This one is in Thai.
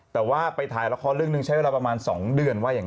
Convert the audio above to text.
แต่ว่าไปถ่ายละครเรื่องนึงใช้เวลาประมาณ๒เดือน